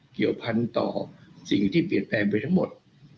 เกี่ยวพันธุ์ต่อสิ่งที่เปลี่ยนแปลงไปทั้งหมด